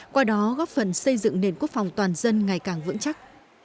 qua đó góp phần xây dựng nền quốc phòng toàn dân ngày càng vững chắc